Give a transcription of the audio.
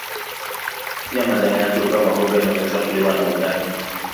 Pia majani yake hutoa mboga inayoweza kuliwa na ugali